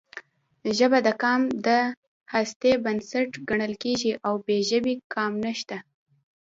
ژبه د قام د هستۍ بنسټ ګڼل کېږي او بې ژبې قام نشته.